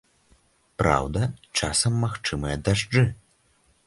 Праўда, часам магчымыя дажджы.